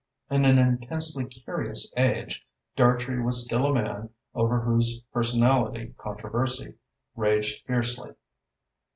In an intensely curious age, Dartrey was still a man over whose personality controversy raged fiercely.